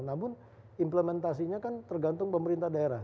namun implementasinya kan tergantung pemerintah daerah